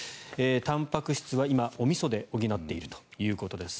たんぱく質は今、おみそで補っているということです。